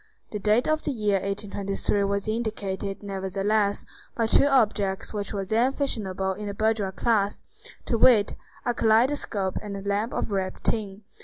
The date of the year 1823 was indicated, nevertheless, by two objects which were then fashionable in the bourgeois class: to wit, a kaleidoscope and a lamp of ribbed tin.